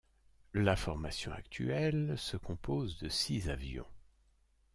La formation actuelle se compose de six avions.